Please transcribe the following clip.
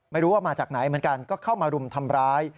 ไม่รู้ว่ามาจากไหนเหมือนกันก็เข้ามารุมทำร้าย